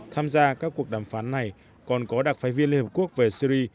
tham gia các cuộc đàm phán này còn có đặc phái viên liên hợp quốc về syri